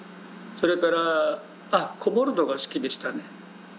それからあっ籠もるのが好きでしたね。